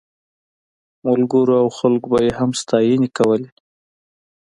ملګرو او خلکو به یې هم ستاینې کولې.